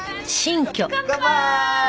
乾杯！